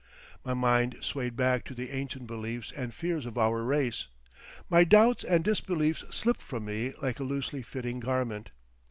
My mind swayed back to the ancient beliefs and fears of our race. My doubts and disbeliefs slipped from me like a loosely fitting garment.